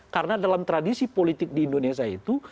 karena dalam tradisi politik di indonesia itu